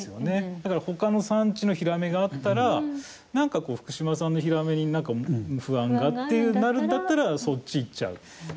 だから他の産地のヒラメがあったら、なんかこう福島産のヒラメになんか不安がってなるんだったらそっちいっちゃう。